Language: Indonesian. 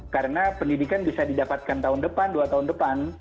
karena pendidikan bisa didapatkan tahun depan dua tahun depan